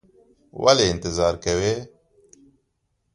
ولې انتظار کوې؟